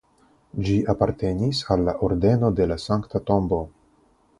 Ĝi apartenis al la Ordeno de la Sankta Tombo.